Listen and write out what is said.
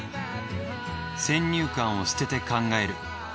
先入観を捨てて考える。